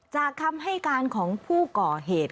คำให้การของผู้ก่อเหตุ